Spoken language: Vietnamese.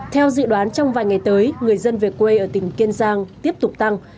theo dự đoán trong vài ngày tới người dân về quê ở tỉnh kiên giang tiếp tục tăng